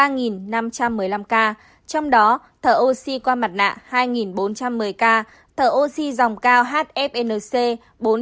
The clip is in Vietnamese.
trong đó thở oxy qua mặt nạ hai bốn trăm một mươi ca thở oxy dòng cao hfnc bốn trăm một mươi k